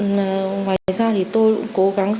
ngoài ra tôi cũng cố gắng